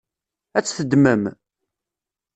Ad tt-teddmem?